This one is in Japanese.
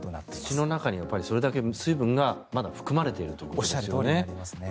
土の中にはそれだけ水分が含まれているということなんですね。